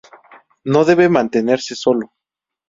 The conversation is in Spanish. No debe mantenerse solo.